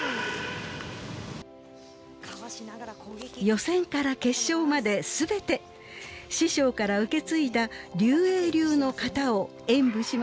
予選から決勝まで全て師匠から受け継いだ劉衛流の形を演武しました。